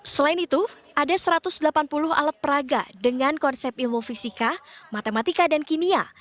selain itu ada satu ratus delapan puluh alat peraga dengan konsep ilmu fisika matematika dan kimia